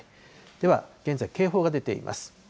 では、現在、警報が出ています。